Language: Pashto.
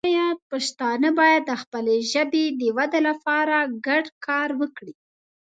پښتانه باید د خپلې ژبې د وده لپاره ګډ کار وکړي.